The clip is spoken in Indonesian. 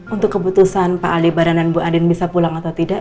untuk keputusan pak aldebaran dan ibu andin bisa pulang atau tidak